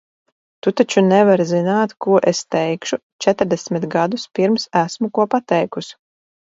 Tu taču nevari zināt ko es teikšu, četrdesmit gadus pirms esmu ko pateikusi!